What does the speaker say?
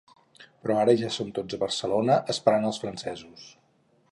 Però ara ja són tots a Barcelona, esperant els francesos